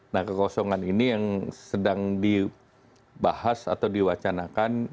nah kekosongan ini yang sedang dibahas atau diwacanakan